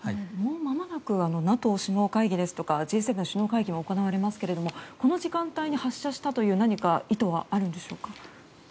まもなくＮＡＴＯ首脳会議やＧ７首脳会議が行われますけれどもこの時間帯に発射したという意図はあるんですか？